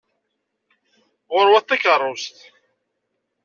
Ɣur-wet takeṛṛust!